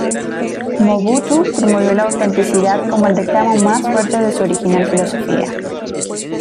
Mobutu promovió la "autenticidad" como el reclamo más fuerte de su original filosofía.